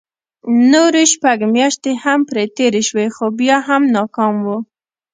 نورې شپږ مياشتې هم پرې تېرې شوې خو بيا هم ناکام وو.